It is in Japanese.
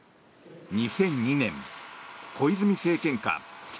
２００２年、小泉政権下北